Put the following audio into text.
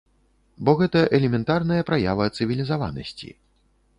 Бо гэта элементарная праява цывілізаванасці.